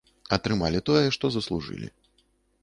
Атрымалі тое, што заслужылі.